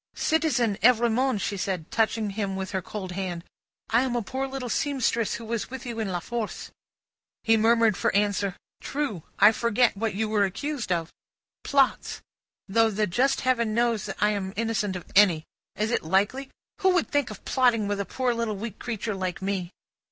"Citizen Evrémonde," she said, touching him with her cold hand. "I am a poor little seamstress, who was with you in La Force." He murmured for answer: "True. I forget what you were accused of?" "Plots. Though the just Heaven knows that I am innocent of any. Is it likely? Who would think of plotting with a poor little weak creature like me?"